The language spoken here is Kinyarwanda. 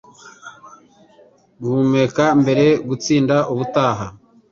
Guhumeka mbere, gutsinda ubutaha.